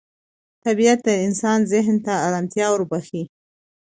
طبیعت د انسان ذهن ته ارامتیا وربخښي